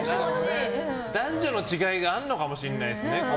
男女の違いがあるのかもしれないですよね。